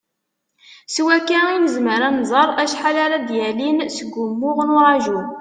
S wakka i nezmer ad nẓer acḥal ara d-yalin seg wumuɣ n uraju.